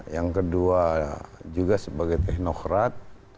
yang kedua juga sebagai teknokrat